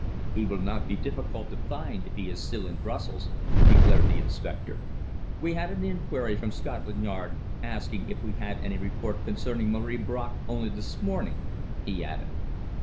"He will not be difficult to find if he is still in Brussels," declared the inspector. "We had an inquiry from Scotland Yard asking if we had any report concerning Marie Bracq only this morning," he added.